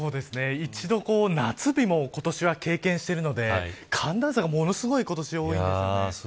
一度、夏日も今年は経験しているので寒暖差がものすごい今年は多いですね。